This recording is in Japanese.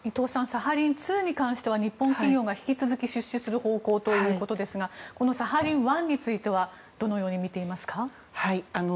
サハリン２に関しては日本企業が引き続き出資する方向ということですがこのサハリン１についてはどのようにみていますか？